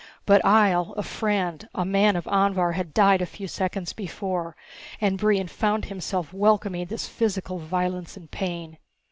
But Ihjel, a friend, a man of Anvhar, had died a few seconds before, and Brion found himself welcoming this physical violence and pain.